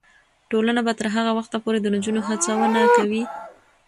ټولنه به تر هغه وخته پورې د نجونو هڅونه کوي.